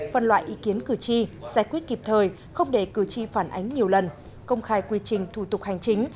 phân loại ý kiến cử tri giải quyết kịp thời không để cử tri phản ánh nhiều lần công khai quy trình thủ tục hành chính